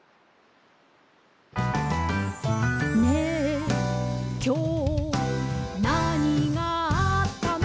「ねえ、きょう、なにがあったの？」